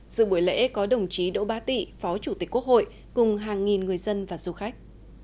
giữa buổi lễ có đồng chí đỗ ba tị phó chủ tịch quốc hội cùng hàng nghìn người dân và du khách